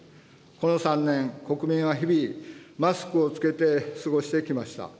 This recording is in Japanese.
この３年、国民は日々、マスクを着けて過ごしてきました。